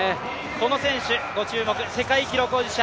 この選手、ご注目、世界記録保持者